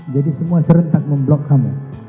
jadi semua serentak ngeblok kamu